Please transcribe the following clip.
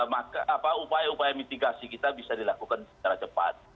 maka upaya upaya mitigasi kita bisa dilakukan secara cepat